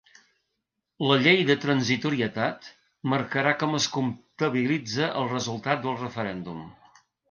La llei de transitorietat marcarà com es comptabilitza el resultat del referèndum.